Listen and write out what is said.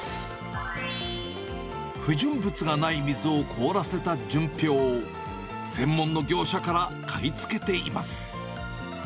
不純物がない水を凍らせた純氷を、専門の業者から買い付けています。